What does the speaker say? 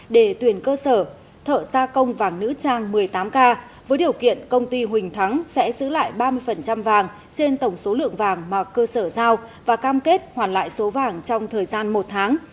để tuyển cơ sở thợ gia công vàng nữ trang một mươi tám k với điều kiện công ty huỳnh thắng sẽ giữ lại ba mươi vàng trên tổng số lượng vàng mà cơ sở giao và cam kết hoàn lại số vàng trong thời gian một tháng